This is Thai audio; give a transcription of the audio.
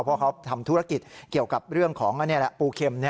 เพราะเขาทำธุรกิจเกี่ยวกับเรื่องของปูเข็ม